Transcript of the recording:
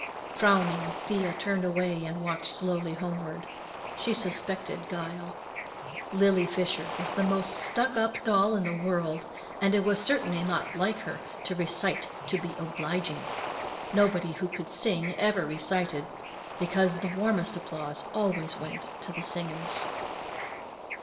Frowning, Thea turned away and walked slowly homeward. She suspected guile. Lily Fisher was the most stuck up doll in the world, and it was certainly not like her to recite to be obliging. Nobody who could sing ever recited, because the warmest applause always went to the singers.